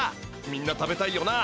みんな食べたいよな？